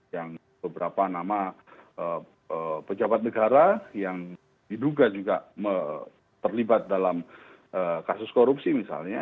yang beberapa nama pejabat negara yang diduga juga terlibat dalam kasus korupsi misalnya